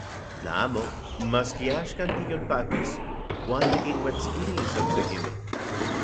Tla amo, maski axkan tiyolpakis uan tikinuetskilis oksekimej.